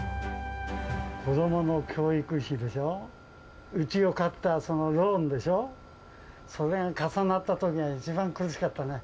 子どもの教育費でしょ、うちを買ったそのローンでしょ、それが重なったときが一番苦しかったね。